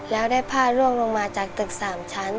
แล้วได้ผ้าร่วงลงมาจากตึกสามชั้นค่ะ